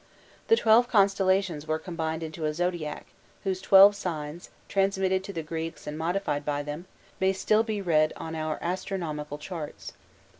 The twelve constellations were combined into a zodiac, whose twelve signs, transmitted to the Greeks and modified by them, may still be read on our astronomical charts.